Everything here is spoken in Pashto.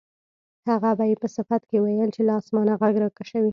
هغه به یې په صفت کې ویل چې له اسمانه غږ راکشوي.